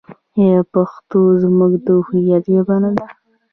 آیا پښتو زموږ د هویت ژبه نه ده؟